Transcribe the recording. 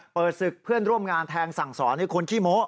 เปิดศึกเพื่อนร่วมงานแทงสั่งสอนให้คนขี้โม้